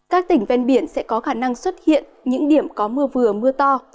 các tỉnh ven biển sẽ có khả năng xuất hiện những điểm có mưa vừa mưa to